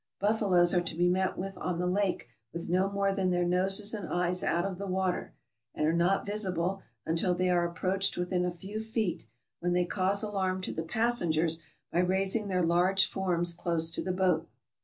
Buffaloes are to be met with on the lake with no more than their noses and eyes out of the water, and are not visible until they are approached within a few feet, when they cause alarm to the passengers by raising their large forms close to the boat.